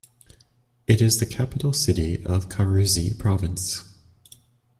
It is the capital city of Karuzi Province.